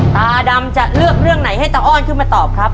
ตาดำจะเลือกเรื่องไหนให้ตาอ้อนขึ้นมาตอบครับ